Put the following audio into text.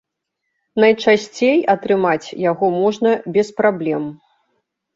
Найчасцей атрымаць яго можна без праблем.